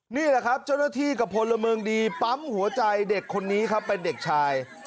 นี่แหละครับเจ้าหน้าที่กับพลเมืองดีปั๊มหัวใจเด็กคนนี้ครับเป็นเด็กชาย